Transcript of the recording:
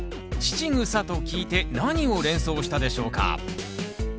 乳草と聞いて何を連想したでしょうか？